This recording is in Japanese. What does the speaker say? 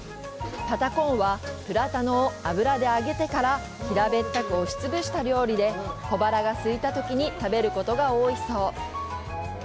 パタコンは、プラタノを油で揚げてから平べったく押し潰した料理で小腹が空いたときに食べることが多いそう。